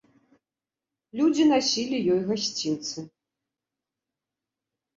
Людзі насілі ёй гасцінцы.